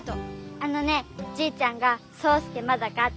あのねじいちゃんがそうすけまだかって。